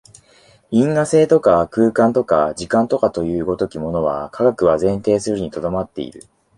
因果性とか空間とか時間とかという如きものは、科学は前提するに留まっている。